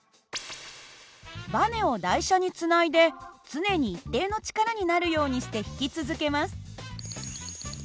ばねを台車につないで常に一定の力になるようにして引き続けます。